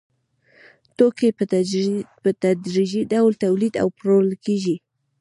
توکي په تدریجي ډول تولید او پلورل کېږي